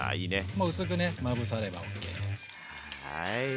もう薄くねまぶさればＯＫ。